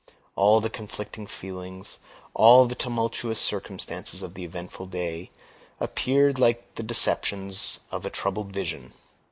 All the conflicting feelings, all the tumultuous circumstances of the eventful day, appeared like the deceptions of a troubled vision.